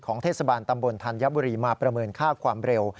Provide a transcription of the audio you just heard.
เทศบาลตำบลธัญบุรีมาประเมินค่าความเร็ว